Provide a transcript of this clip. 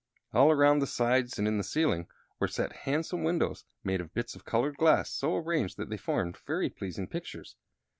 All around the sides and in the ceiling were set handsome windows made of bits of colored glass, so arranged that they formed very pleasing pictures.